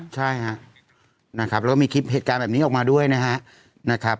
ใช่ครับนะครับแล้วก็มีคลิปเหตุการณ์แบบนี้ออกมาด้วยนะครับ